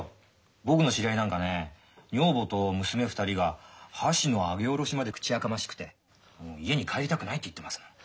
僕の知り合いなんかね女房と娘２人が箸の上げ下ろしまで口やかましくて家に帰りたくないって言ってます。